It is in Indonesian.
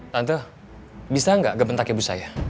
tante bisa nggak gementak ibu saya